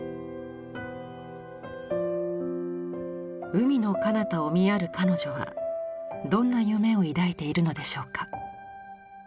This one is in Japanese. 海のかなたを見やる彼女はどんな夢を抱いているのでしょうか。